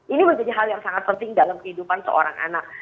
ini menjadi hal yang sangat penting dalam kehidupan seorang anak